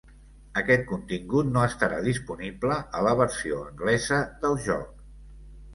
Aquest contingut no estarà disponible a la versió anglesa del joc.